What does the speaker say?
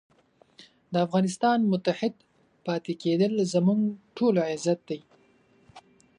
د افغانستان متحد پاتې کېدل زموږ ټولو عزت دی.